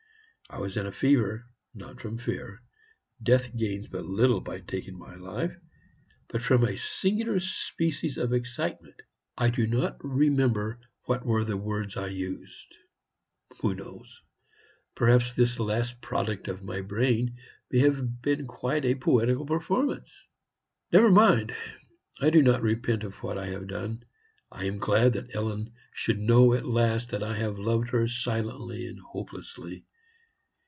I was in a fever, not from fear Death gains but little by taking my life but from a singular species of excitement. I do not remember what were the words I used. Who knows? Perhaps this last product of my brain may have been quite a poetical performance. Never mind! I do not repent of what I have done; I am glad that Ellen should know at last that I have loved her silently and hopelessly.